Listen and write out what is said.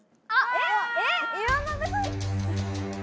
えっ。